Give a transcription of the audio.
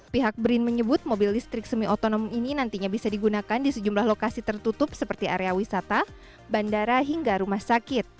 pihak brin menyebut mobil listrik semi otonom ini nantinya bisa digunakan di sejumlah lokasi tertutup seperti area wisata bandara hingga rumah sakit